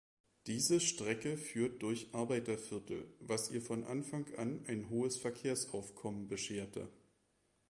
Diese Strecke führt durch Arbeiterviertel, was ihr von Anfang an ein hohes Verkehrsaufkommen bescherte.